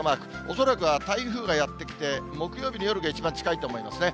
恐らくは台風がやって来て、木曜日の夜が一番近いと思いますね。